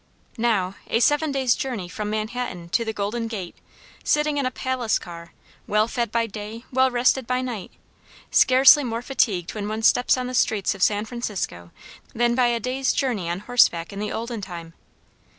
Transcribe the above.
Now a seven days' journey from Manhattan to the Golden Gate, sitting in a palace car, well fed by day, well rested by night, scarcely more fatigued when one steps on the streets of San Francisco than by a day's journey on horseback in the olden time!